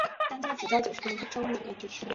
每周三和周六举办集市。